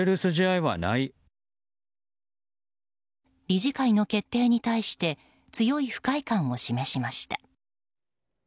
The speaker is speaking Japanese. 理事会の決定に対して強い不快感を示しました。